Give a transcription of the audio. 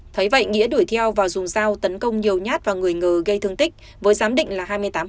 thấy vậy nghĩa đuổi theo và dùng dao tấn công nhiều nhát vào người ngừ gây thương tích với giám định là hai mươi tám